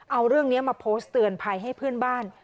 เอาเรื่องนี้มาโพสต์เตือนภัยให้เพื่อนบ้าน